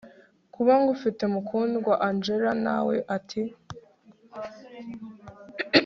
kuba ngufite mukundwa angella nawe ati